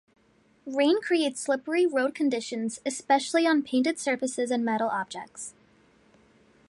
Rain creates slippery road conditions, especially on painted surfaces and metal objects.